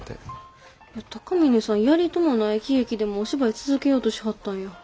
高峰さんやりともない喜劇でもお芝居続けようとしはったんや。